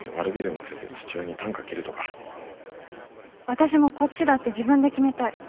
私もこっちだって自分で決めたい。